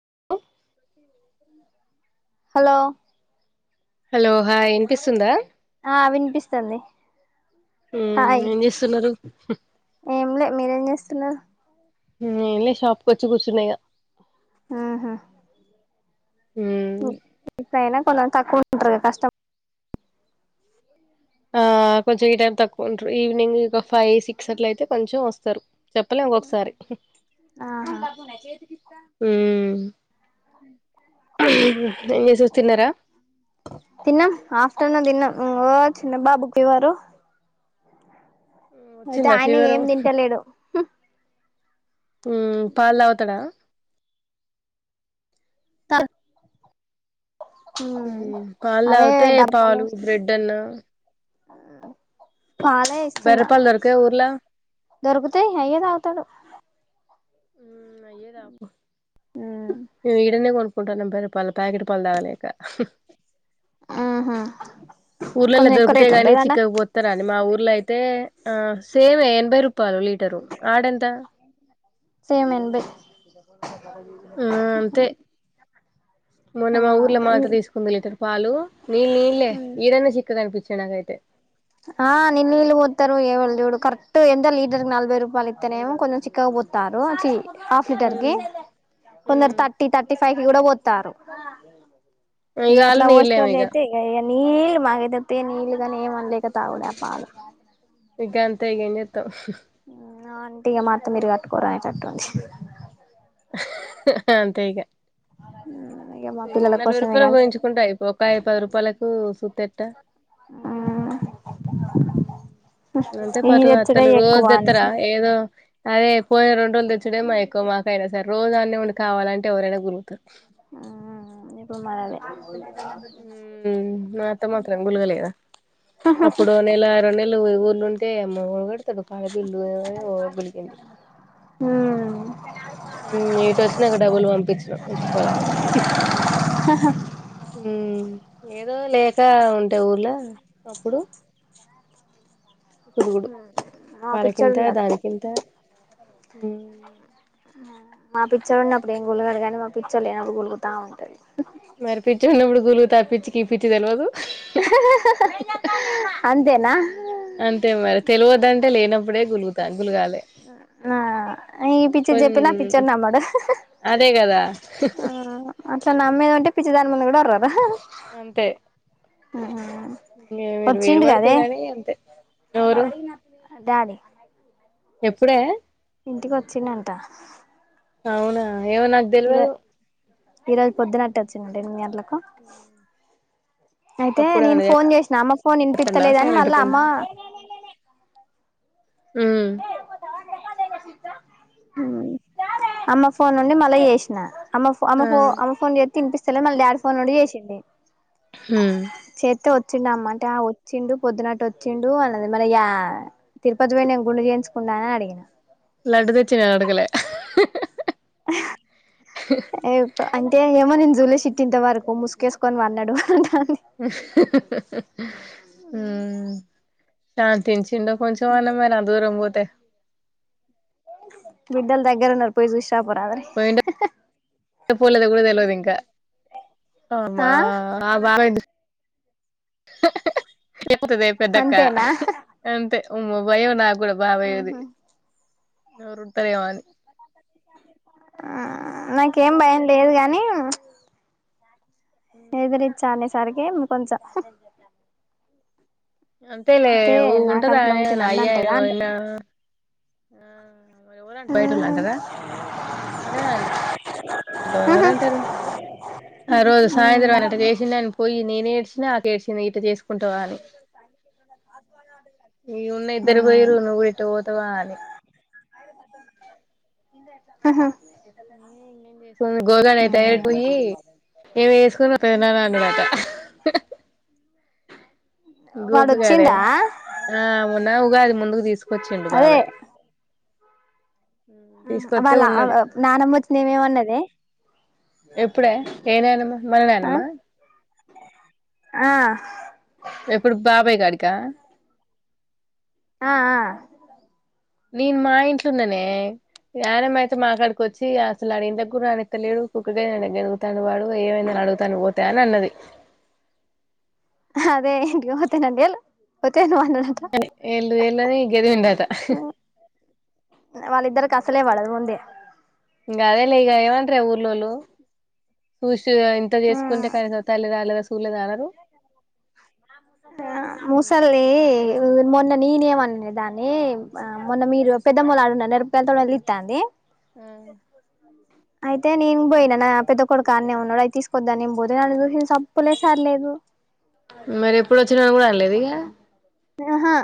[unintelligible] Hello hello hi ఇన్పిస్తుందా ఆ విన్పిస్తుంది ఉమ్ హాయ్ ఏం చేస్తున్నారు ఏంలే మీరేం జేస్తున్నరు ఏం లే షాప్ కొచ్చి కూచూన్నా ఇగ ఉమ్ ఉ ఉల్లిపాయ పో తక్కువంట కష్టం ఆ కొంచం టైం తక్కువ ఉంటారు ఈవినింగ్ ఒక ఫైవ్ సిక్స్ అట్ల అయితే కొంచెం వస్తారు చెప్పలేము ఒకసారి ఆహా ఉ ఏం చేసేవ్ తిన్నరా టన్ను దిన్నం ఓ చిన్న బాబుకి ఫీవరు అయితే వచ్చిందా ఆయనే ఫీవరు ఏం తింటలేడు హు ఊ పాల్ తాగుతడా తాగ్ మ్మ్ పాలు అవే తాగుతే పాలు బ్రెడ్ అన్నా ఆ పాలే ఇస్తున్నా బెర్రపాలు దొరకయా ఊర్లా దొరుకుతాయి అయ్యే తాగుతాడు ఉమ్ మేం ఈడనే కొను కుంటనం పదిరూపాలు ప్యాకెట్ పాలు తాగలేక ఆహా ఊర్లలో కొంచెం ఎక్కువ దొరికితే రేట్ గాని ఉంటదాడా చిక్కగపోత్తారుని మా ఊర్లో అయితే తే ఆ సేమే ఎనభై రూపాయలు లీటరు ఆడెంత సేమ్ ఎన్బై అహ ఆ అంతే మొన్న మా ఊర్లో మాత్త తీసుకుంది లీటర్ పాలు నీళ్ళు నీళ్ళే ఉమ్ ఈడన్న చిక్కగని పి చ్చేనాగైతే ఆ నిన్నీ నీల్ పోత్తారు ఏవళ్ చూడు కరెక్ట్ ఎంత లీటర్ కి నలభై రూపాయలు ఇత్తనేమో కొంచెం చిక్కగ పోత్తారు, చి హాఫ్ లీటర్ కి ఉమ్ కొందరు ఉమ్ థర్టీ థర్టీ ఫైవ్ కి కూడా పో తారు ఇగ అట్ల పోసేటోల్ల యితే ఇగ నల్ బగదతి నీల్గాని ఏ అనలేక తాగుడా పాల చే చేత్తావ్ అంటీ ఇగ మాత్ర మీరుగాట్టుకోరా చట్టన్ంచి అంతేగా ఇక మా పిల్లల నలభై కోసమే రూపాయలు కానీ పోయించుకుంటా ఇ ఒక పది రూపాయలకు సూతిట్ట అంతే ఈ పాటు తెచ్చుడే అత్తలు ఎక్కువ అనేసి రోజెత్తరా ఏదో అదే పోయి రెండు రోజులు తెచ్చుడే మయక్కుమా నైనా సరే రోజు అన్నేఉండి కావాలంటే ఎవరైనా గొనుగుతారు ఆనీకు మారాలి హ మాత్త మాత్రం గులుగలేదా అప్పుడు నెల ఆరో నెలలుఊ అంటే అమ్మ ఇడు కాాల బిల్లు గులికింది ఇటుొచ్చినాక డబ్బులు పంపించినం ఉంచుకోలమె ఏదో లేక ఉంటే ఊర్ళ అప్పుడు కుదుగుడు మా పిచ్చోడు వాళ్ళకింత ఉన్నాడు దానికింత హ మా పిచ్చర్ ఉన్నప్పుడు ఏం గులుగాడు కాగానీ మా పిచ్చర్ లేనప్పుడు గులుగుతా ఉంటది పి తెలవాదు అంతేనా బడ గులుతాని ఆ ఈ కొ పిచర్ చెప్పినిన ఆ పిక్చర్ నమ్మడు అదే కదా ఆ అట్లా నమ్మేది అంటే పిచ్చ దా ముంది కూడా అర్రదా అంతే హా మీరు వేరు పడితే గానీ అంతే న డాడీ ఎప్పుడే ఇంటికి వచ్చిందంట అవునా ఎవన్గదిల్వ ఇరజళ పొద్దునట్టు అచ్చి నడియర్ల హా అయితే నేను ఫోన్ చేసినా అమ్మ ఫోన్ చేత్తుండా వినిపిచలేద అని సైలెంట్ మళ్ళా అమ్మ గుండా హ్మ్ హ్మ్ అమ్మ ఫోన్ నుండి మళ్ళ చేసినా అమ్మ ఫో అమ్మ ఫో అమ్మ ఫోన్ చే తినిపిస్తలే మళ్ళీ డాడ్ ఫోన్ నుండి చేసింది హ్మ్ చేత్తే వచ్చిండు అమ్మ అంటే ఆ వచ్చిండు పొద్దునట్టు వచ్చిండు అది మన యా తిరుపతి పోయిండు గుండె చేయించ్ ఉన్నావా అని అడిగిన లడ్డు తెచ్చినే అడగలే ఏవ్ అంటే ఏమో నేను జూలే చిట్టి ఇంత వరకు ముసుకేసుకొని పన్నాడు అంట ఆ ఆ నా తించిండ కొంచెం అన్న మనా అ దూరం పోతే బిడ్డలు దగ్గర ఉన్నారు పోయి చూష్ [unintelligible] పోలేద కూడా తెలవదు ఇంకా ఆ అమా ఆ బాగా పెట్ ఎపోతదే పెద్దక్క అంతేనా అంతే అమ్మో భయం నాకు కూడా బా పోయేది ఎవరు ఉంటారేమో ఆ న ఇంకేం భయం లేదు కానీ అని ఎదురు ఇచ్చాలేస్ సరికేంది కొంచెం అంతే లే అయితే ఊ నా ఉంటదా కడుపులో పుట్టి నా నన్ను అంటదా అయ్యాను అంటా నా ఆ మరి ఎవరంట బయట వాళ్ళు అంటారా మనమే అం అంటా ఉహు ఎవరుంటారు ఆ రోజు ఉహు సాయంత్రం ఆయన అట్ట చేసిందని పోయి నేనే ఏడ్చినా ఆక ఏడిచింది ఇట చేస్ కుంటావా అని ఈ ఉన్న ఇద్దరు పోయరు నువ్వు ఇట్టు పోతావా అని ఆహా చేసుకుంది గోదారినేయి ఉహు తయారిపోయి నెనే సుకుని తిన్నా అన్నామాట వాడు గోపిగాడే వచ్చిండా మొన్నా ఉగాది ముందు తీసుకొచ్చిండి అదే బాబాయ్ తీసుకొత్తె వాళ్ళ ఉన్నడు నానమ్మ వచ్చింది ఏమేమన్నది ఎప్పుడే ఏనానమ్మ ఆ మననానమ్మా ఆ ఎప్పుడు బాబాయ్ కాడికా ఆ నేను మా ఇంట్లొఉన్ననే నానమ్మ అయితే మా కాడికి వచ్చి అసలు ఆడ ఇంటి దగ్గుర అనెక్కలేడు కుక్కగా అడుగుతాను వాడు ఏమైందని అడుగుతాను పోతా అని అన్నది అదే [unintelligible] కనే ఏళ్ళు ఏళ్ళని గేరిందు అట వాళ్ళిద్దరికి అసలే పడదు ముందే ఇంగ అదే లే ఇగ ఏమంటారు ఊరిలోళ్ళు చూస్ హ్మ్ సూలేదా అనరు ముసలి మొన్న నేనేమన్ననే దాన్ని ఆ మొన్న మీరు పెద్దమ్మ ఆడున్న మిరపకాయలతో అలితండి ఆ అయితే నేను పోయినా నా పెద్ద కొడు కాడన్నె ఉన్నాడు అది తీసుకొద్దాం నే పోతే నన్న చూసి సప్పులే సర్లేదు మరి ఎప్పుడు వచ్చిన కూడా లేదుగా ఆహా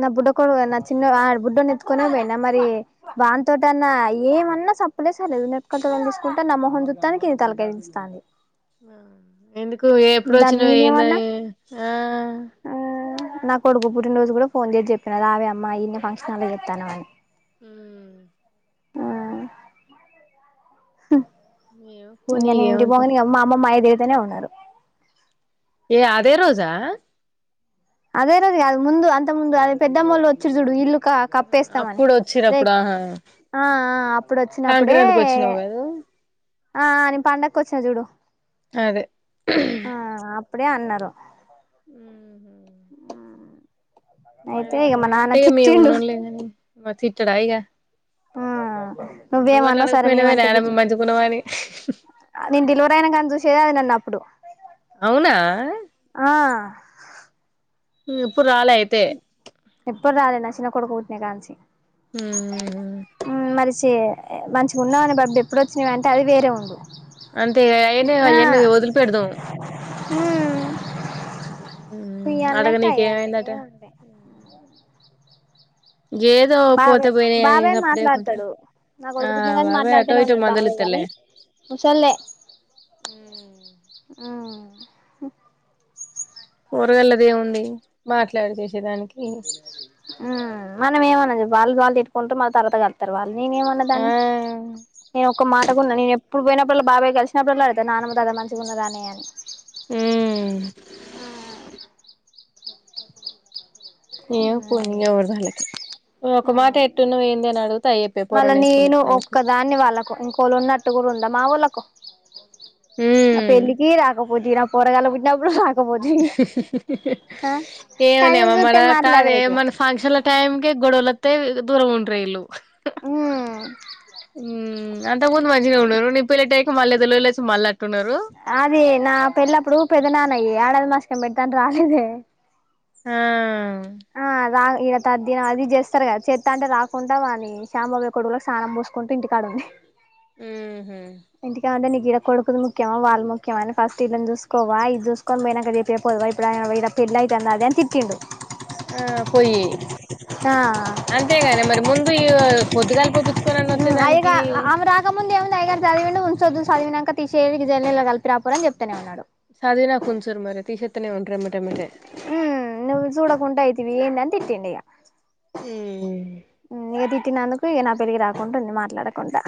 నా బుడ్డ కొడుకు నా చిన్న బుడ్డొడి నెత్తుకునే పోయినా మరి వాని తోటన్నా ఏమన్నా సప్పులేసర్లేదు నెట్కల తోట తీసుకుంటే న మొహం చుత్తానికి తలకాయ్ నొస్తాంది ఆ ఎందుకు ఎప్పుడు వచ్చినా ఏన్నా నేనేమన్నా ఆ నాకు కొడుకు పుట్నరోజు కూడా ఫోన్ చేసి చెప్పినా రావే అమ్మా ఈడన్నె ఫంక్షన్ అలా చేత్తానం అని మ్ మ్ మ్ ఏమో ఇంక పోనీ ఇగ నేనింటికి ఏమంటాం పోంగనె అమ్మ అమమ్మ ఏయిది అనే ఉన్నారు అదే రోజా అదేరోజు కాదు ముందు అంతకు ముందు అదే పెద్దమ్మొళ్ళు వచ్చిరు చుడు ఇల్లు కప్పేస్తామని అప్పుడు రేక్ వచ్చినప్పుడు ఆహా ఆ అప్పుడు వచ్చినప్పుడే సంక్రాంతికి వచ్చినావు కదా ఆ. నెన్ పండక్కొచ్చిన చూడు అదే ఆ అప్పుడే అన్నారు మ్ అది ఇక మొన్నంటే ఇక మేము తిట్టిండు ఉన్నాంలేగాని మరి తిట్టాడా అయ్య ఆ నువ్వు నా నువ్వేమన్నావ్ సరే అడగపోయినావే మేమంటే తిట్టి నానమ్మ మంచిగున్నవా అని అప్పుడయినా కానీ చూసేది అది నన్న అప్పుడు అవునా ఆ అమ్ ఇప్పుడు రాల అయితే ఎప్పుడు రాలే నా చిన్న కొడుకు పుట్టిన కాడ నుంచి హమ్ ఆమ్ మంచిగా మంచిగా ఉన్నావని డబ్బు ఎప్పుడు వచ్చినావి అంటే అది వేరే ఉండు అంతే అయనే ఆ అయన్ని వదిలి పెడదాం ఉమ్ ఉయ్యాలా అడగ లేవు కయ్యాలు లేవు నీకేమైందట ఏముంటాయి ఏదో పోతే బాబాయ్ పోయినాయి అని బాబాయి సప్పుడేకుంటా మాట్లాడతడు నా ఆ కొడుకు పుట్టిన కానీ బాబాయ్ అటో మాట్లాడుతనే ఇటో ఉన్నాడు బాబాయ్ గాని మందలిత్తలే ముసల్ధే మ్.. - పోరగాల్లదేముంది మాట్లాడి చేసేదానికి ఆమ్ మనం ఏమన్నాం చెప్పు వాళ్ళది వాళ్ళే ఉంటూ మా తర్వాత కడతారు వాల్ నేనేమన్న ఆ దాన్ని నే ఒక మాట నేను ఎప్పుడు పోయినప్పుడల్లా బాబాయి కలిసినప్పుడల్లా అడుగుతా నాన్నమ్మ తాత మంచిగున్నదానే అని ఉమ్ ఆమ్ ఏం పోని ఎవరిది వాళ్ళకే ఒక మాట ఎట్టున్నావ్ ఏంది అని అడుగు మళ్ళా నేను ఒక్కదాన్ని వాళ్ళకు ఇంకోళ్ళు ఉన్నట్టు కూడా ఉం మా వోళ్ళకు నా ఉమ్ పెళ్ళికి రాకపోతివి నా పోరగాల్ల పు డబ్బులు హా ఏమో కన్నులు నేమో మన జూత్తే కాదే మాట్లాడవు ఇట్లా మొన్న ఫంక్షన్ ల టైమ్ కే గొడవలొత్తయి దూరంగా ఉంటారు ఇళ్లు ఉమ్ ఉమ్ అంతకు ముందు మంచిగా ఉండే వాళ్లు నీ పెళ్లి అయ్యె టైం మల్ లేదలచ్ మల్ల ఆది నా పెళ్ళప్పుడు పెద్ద నాన్నయ్యి ఆడది మస్ నే బెడతాను రాలేదే ఆ ఆ రాద ఇలా తద్దిన అది చేస్తారు కదా చెత్త అంటే రాకుండా వాని సాంబాయ కొడుకులకి స్నానం పోసుకుంటే ఇంటికాడు ఉంది ఉహు ఇంటికాడ ఉంటే నీకు ఈడ కొడుకుది ముఖ్యమా వాళ్ళ ముఖ్యమా అని ఫస్ట్ ఇళ్ళని చూసుకోవా ఇది చూసుకొని పోయినాక చెప్పే పోదువా ఇప్పుడు ఇడ పెళ్లి అయితాంది అది అని తిట్టిండు ఆ పోయి ఆ అంతేగాని మరి ముందు ఇగా పొద్దుగాల పోపిచ్చి అ ఇగా ఆమే రాగ ముందు ఏం నాయ్య గారు చదివి విండు ఉంచోద్దు చదివినాక తీసేరి జల్లో కలిపిరా పోరా అని చెప్తనే ఉన్నాడు సధివిన కొంచం నా మరి తీసెత్తనే ఉంట హమ్ నువ్ చూడకుంటే అయి వియ్యండని తిట్టిండు ఇగ ఉమ్ నే తిట్టినందుకు ఇగ నా పెళ్లికి రాకుండా ఉండు మాట్లాడకుండా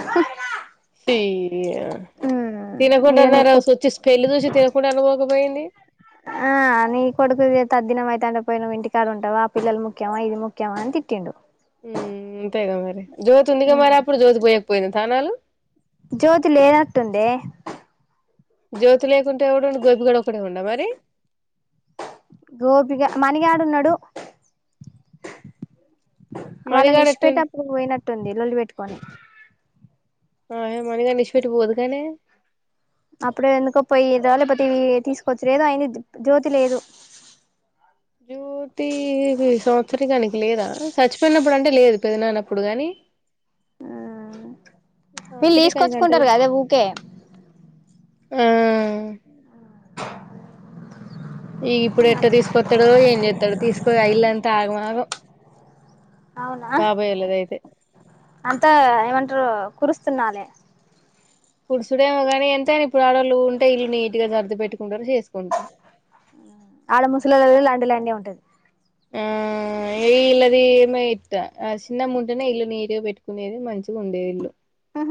డే రి యా ఉమ్ ఇగ తినకుంటన్నారా నీకు సొచ్చి స్మెల్ చూసి తినకుంట అన్నా పోకపోయారు ది దంటో పోయిన్నావ్ ఇంటికాడ ఉంటావా పిల్లలు ముఖ్యమా ఇది ముఖ్యమా అని తిటిండు ఉ అంతేగా మరి జ్యోతి ఉందిగా మరి అప్పుడు జ్యోతి పోయకపోయింది స్నానాలు జ్యోతి లేనట్టుందే జ్యోతి లేకుంటె ఎవడు ఉండు గోపిగడ ఒకడే ఉండ మరి గోపిగా మనిగాడున్నాడు వాళ్ళ మణిగాడు నిష్పేట ఎట్టుండు అప్పుడు పోయినట్టుంది లొల్లి పెెట్టుకొని ఆ ఏమనగా నిషిపెట్టి పోదుగానే అప్పుడే ఎందుకో పోయీదొల్లే ప్రతీ తీసుకోచీరి ఏదో అయింది జ్యోతి లేదు జ్యోతి సంవత్సరీకానికి లేదా సచ్చిపోయినప్పుడు అంటే లేదు పెదనానప్పుడు కానీ వీళ్ళు తీసుకొచ్చుకుంటారు కదే ఊకే ఆ ఈగా ఇప్పుడు ఎట్ట తీసుకొస్తాడో ఏం చేస్తాడో తీసుకోపోయి ఇయిల్లంతా ఆగమాగం అవునా బాబోయలేద అయితే అంతా ఏమంటారు కురుస్తున్నాలి కుడుచుడేమో కాని ఎంత అైనా ఇప్పుడు ఆడళ్ళు ఉంటే ఇల్లు నీటుగా సర్ది పెట్టుకుంటారు చేసుకుంటారు ఆడా ముసలల వలాండ లాండే ఉంటది ఆ ఏ ఇల్ళది ఏమ ఇ ఆ చిన్న ముంటనే ఇల్లు నీటుగా పెట్టుకునేది మంచిది ఉండేది ఆహ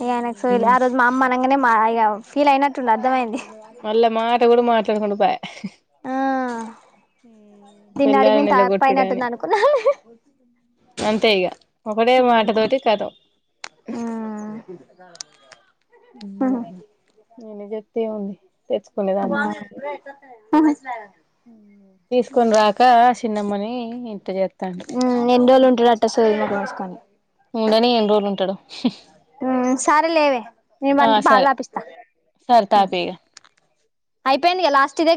ఇగ ఆయనకు సోయీలే ఆ రోజు మా అమ్మ అన్ నంగానే మా ఇగ ఫీల్ అయినట్టుండు అర్థమైంది మళ్ళ మా అక్క కూడా మాట్లాడుకుండా పాయ్ ఆ దీన్న అడిగి పెళ్ళాలని మేను నిలగొట్టుడని తప్పయినట్టుంది అనుకున్నా లె అంతే ఇగ ఒకటే మాటతోటి కతో నేనుజతే ఉంది తెచ్చుకునేదానికి తీసుకొని రాక చిన్నమ్మని ఇంటి చేస్తాడు త కోసుకని ఉండని ఎన్ని రోజులు ఉంటాడు మ్ సరే లేవే నేను ఆ వానికి పాలు సరే పాటిస్తా సరే తాపి ఇగ అయిపోన్ గ లాస్ట్ ఇదగ